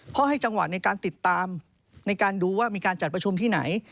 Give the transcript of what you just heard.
เพราะให้จังหวะในการติดตามในการดูว่ามีการจัดประชุมที่ไหน